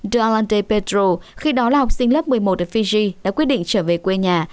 de alante pedro khi đó là học sinh lớp một mươi một ở fiji đã quyết định trở về quê nhà